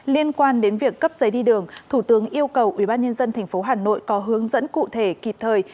liên quan đến việc cấp giấy đi đường thủ tướng yêu cầu ubnd tp hà nội có hướng dẫn cụ thể kịp thời